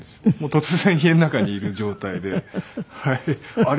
突然家の中にいる状態で「あれ？」